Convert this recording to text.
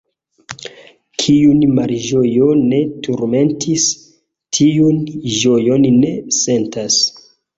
Kiun malĝojo ne turmentis, tiu ĝojon ne sentas.